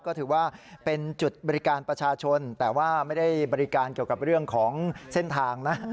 ก็ถือว่าเป็นจุดบริการประชาชนแต่ว่าไม่ได้บริการเกี่ยวกับเรื่องของเส้นทางนะ